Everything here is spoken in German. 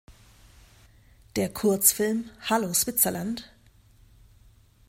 Der Kurzfilm "Hallo Switzerland!